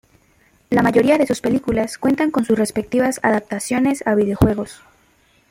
La mayoría de sus películas cuentan con sus respectivas adaptaciones a videojuegos.